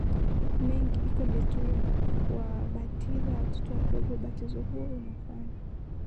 mengi iko desturi ya kuwabatiza watoto wadogo Ubatizo huo unawafanya